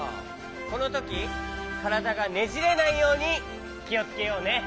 このときからだがねじれないようにきをつけようね。